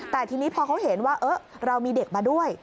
แต่ทีนี้พอเขาเห็นว่าเรามีเด็กมาด้วย